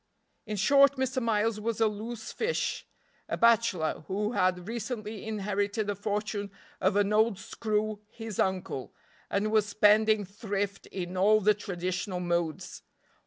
In short, Mr. Miles was a loose fish; a bachelor who had recently inherited the fortune of an old screw his uncle, and was spending thrift in all the traditional modes.